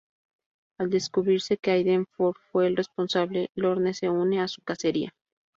Al descubrirse que Aiden Ford fue el responsable, Lorne se une a su cacería.